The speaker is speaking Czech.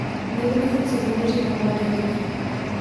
Měli bychom se zaměřit na mladé lidi.